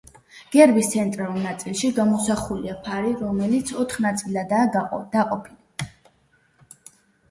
გერბის ცენტრალურ ნაწილში გამოსახულია ფარი, რომელიც ოთხ ნაწილადაა დაყოფილი.